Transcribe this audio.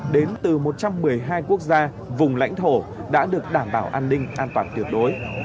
đến từ một trăm một mươi hai quốc gia vùng lãnh thổ đã được đảm bảo an ninh an toàn tuyệt đối